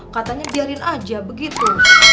katanya biarin aja begitu